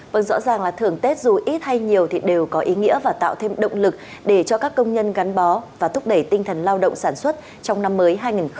vâng rõ ràng là thưởng tết dù ít hay nhiều thì đều có ý nghĩa và tạo thêm động lực để cho các công nhân gắn bó và thúc đẩy tinh thần lao động sản xuất trong năm mới hai nghìn hai mươi